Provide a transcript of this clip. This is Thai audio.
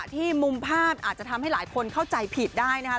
ที่มุมภาพอาจจะทำให้หลายคนเข้าใจผิดได้นะครับ